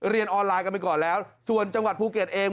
เรียนออนไลน์กันไปก่อนแล้วส่วนจังหวัดภูเก็ตเอง